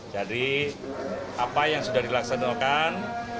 jadi apa yang sudah dilaksanakan